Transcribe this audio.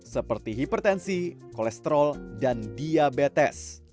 seperti hipertensi kolesterol dan diabetes